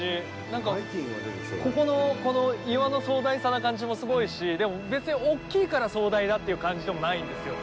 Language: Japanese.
なんか、ここのこの岩の壮大さな感じもすごいしでも、別に大きいから壮大だって感じでもないんですよ。